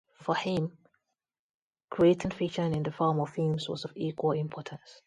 For him, creating fiction in the form of films was of equal importance.